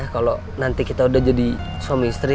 kalau nanti kita udah jadi suami istri